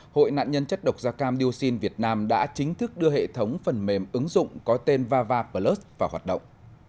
hội nạn nhân chất độc da cam dioxin việt nam đã chính thức đưa hệ thống phần mềm ứng dụng có tên vava plus vào hoạt động